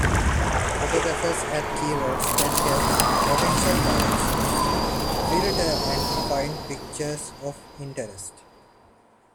Photographers add keywords that help potential buyers filter and find pictures of interest.